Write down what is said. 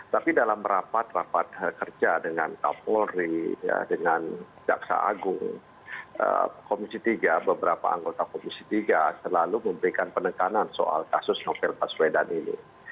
tapi dalam rapat rapat kerja dengan kapolri dengan jaksa agung komisi tiga beberapa anggota komisi tiga selalu memberikan penekanan soal kasus novel baswedan ini